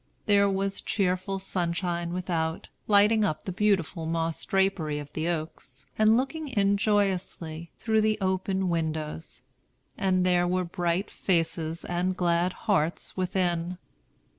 There was cheerful sunshine without, lighting up the beautiful moss drapery of the oaks, and looking in joyously through the open windows; and there were bright faces and glad hearts within.